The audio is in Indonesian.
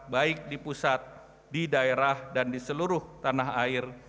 baik di pusat di daerah dan di seluruh tanah air